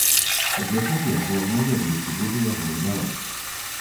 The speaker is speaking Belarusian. Для сябе, бо не ведаю, ці буду яго выдаваць.